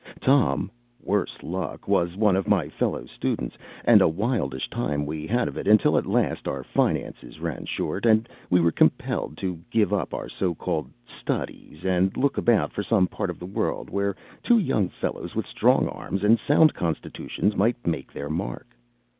Tom worse luck! was one of my fellow students; and a wildish time we had of it, until at last our finances ran short, and we were compelled to give up our so called studies, and look about for some part of the world where two young fellows with strong arms and sound constitutions might make their mark.